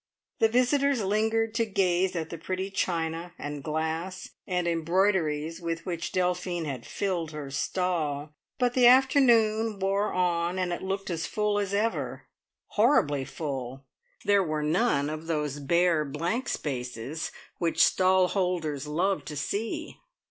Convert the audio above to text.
The visitors lingered to gaze at the pretty china, and glass, and embroideries with which Delphine had filled her stall; but the afternoon wore on, and it looked as full as ever horribly full! There were none of those bare, blank spaces which stall holders love to see.